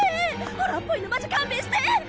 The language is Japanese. ホラーっぽいのマジ勘弁して！